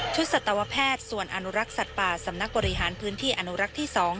สัตวแพทย์ส่วนอนุรักษ์สัตว์ป่าสำนักบริหารพื้นที่อนุรักษ์ที่๒